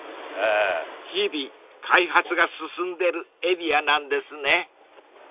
［日々開発が進んでるエリアなんですね］